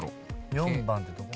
４番ってどこ？